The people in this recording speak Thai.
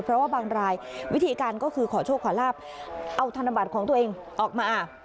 เพราะว่าบางรายวิธีการก็คือขอโชคขอลาบเอาธนบัตรของตัวเองออกมา